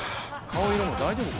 顔色も大丈夫？